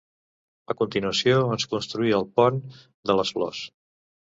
A continuació, es construí el pont de les Flors.